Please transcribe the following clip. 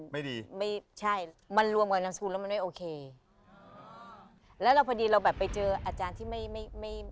ไม่ดีไม่ใช่มันรวมกับนามสกุลแล้วมันไม่โอเคแล้วเราพอดีเราแบบไปเจออาจารย์ที่ไม่ไม่ไม่